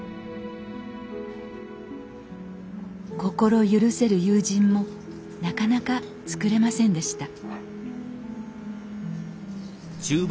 心許せる友人もなかなかつくれませんでした